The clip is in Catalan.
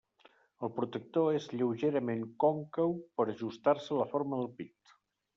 El protector és lleugerament còncau per ajustar-se a la forma del pit.